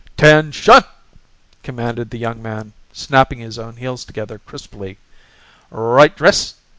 "'Ten SHUN!" commanded the young man, snapping his own heels together crisply. "Right DRISS!